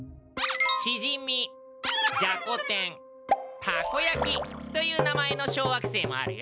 「しじみ」「じゃこ天」「たこやき」という名前の小惑星もあるよ！